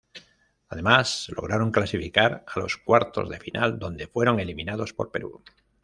Además lograron clasificar a los cuartos de final donde fueron eliminados por Perú.